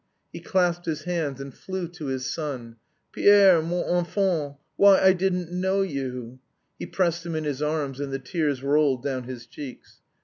He clasped his hands and flew to his son. "Pierre, mon enfant! Why, I didn't know you!" He pressed him in his arms and the tears rolled down his cheeks.